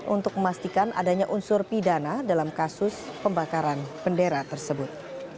untuk memastikan adanya unsur pidana dalam kasus pembakaran bendera tersebut